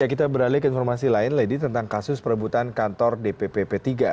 kita beralih ke informasi lain lady tentang kasus perebutan kantor dpp p tiga